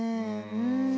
うん。